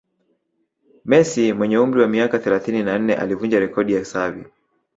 Messi mwenye umri wa miaka thelathini na nne alivunja rekodi ya Xavi